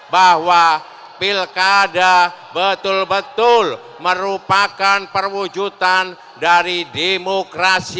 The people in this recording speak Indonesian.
bahwa pilkada betul betul merupakan perwujudan dari demokrasi